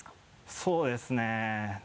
そうですね。